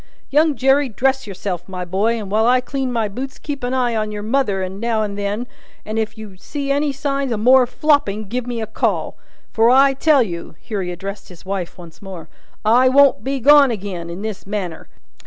Young Jerry, dress yourself, my boy, and while I clean my boots keep a eye upon your mother now and then, and if you see any signs of more flopping, give me a call. For, I tell you," here he addressed his wife once more, "I won't be gone agin, in this manner.